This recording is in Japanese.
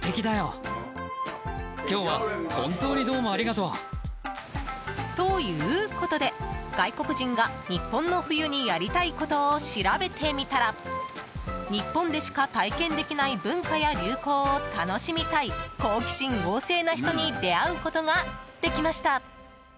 その訳は？ということで外国人が日本の冬にやりたいことを調べてみたら日本でしか体験できない文化や流行を楽しみたいという好奇心旺盛な人に出会うことができました。